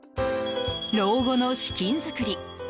老後の資金作り。